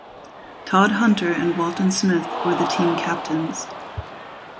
Todd Hunter and Walton Smith were the team captains.